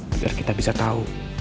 biar kita bisa tau